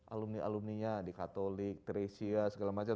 alumni alumni nya di katolik teresia segala macam